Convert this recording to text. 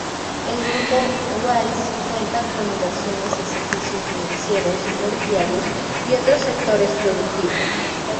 El Grupo Wiese cuenta con inversiones en servicios financieros, inmobiliarios y otros sectores productivos.